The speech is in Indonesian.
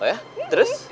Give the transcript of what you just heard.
oh iya terus